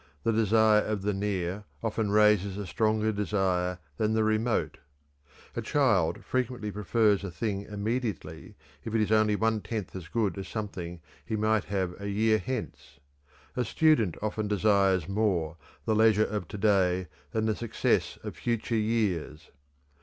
The desire of the near often raises a stronger desire than the remote. A child frequently prefers a thing immediately if it is only one tenth as good as something he might have a year hence. A student often desires more the leisure of to day than the success of future years.